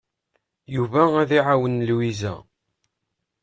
Yuba ad iɛawen Lwiza.